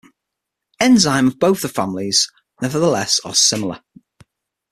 Enzymes of both the families, nevertheless, are similar.